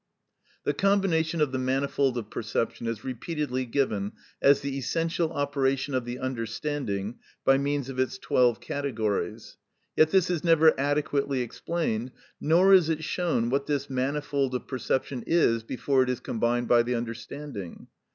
"The combination of the manifold of perception" is repeatedly given as the essential operation of the understanding, by means of its twelve categories. Yet this is never adequately explained, nor is it shown what this manifold of perception is before it is combined by the understanding.